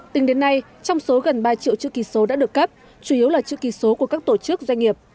tính đến nay trong số gần ba triệu chữ ký số đã được cấp chủ yếu là chữ ký số của các tổ chức doanh nghiệp